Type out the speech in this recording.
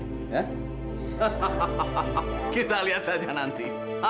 hahaha kita lihat saja nanti